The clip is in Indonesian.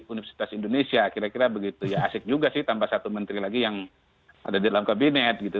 universitas indonesia kira kira begitu ya asik juga sih tambah satu menteri lagi yang ada di dalam kabinet gitu